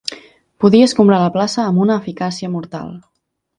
Podia escombrar la plaça amb una eficàcia mortal